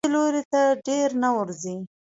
دې لوري ته ډېر نه ورځي.